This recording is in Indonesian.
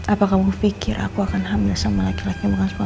apa kamu pikir aku akan hamil sama laki laki yang bukan suami aku